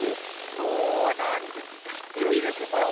そうなんです、きついです、もう。